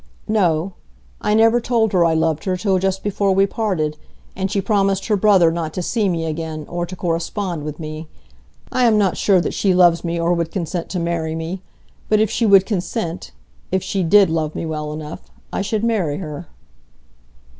"No. I never told her I loved her till just before we parted, and she promised her brother not to see me again or to correspond with me. I am not sure that she loves me or would consent to marry me. But if she would consent,—if she did love me well enough,—I should marry her."